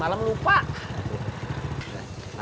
datos menggunya terima